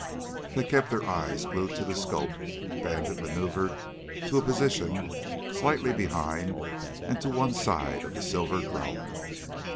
They kept their eyes glued to the scope. Bandit maneuvered to a position slightly behind and to one side of the silver drone.